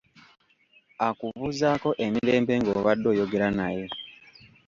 Akubuzaako emirembe ng'obadde oyogera naye